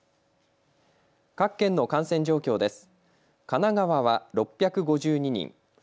各県の感染状況です。